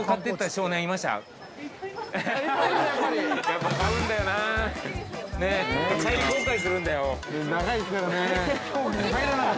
◆やっぱり買うんだよなあ。